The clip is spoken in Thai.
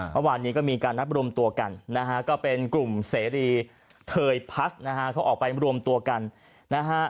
เมื่อวานนี้ก็มีการนัดรวมตัวกันนะฮะก็เป็นกลุ่มเสรีเทยพลัสนะฮะเขาออกไปรวมตัวกันนะฮะ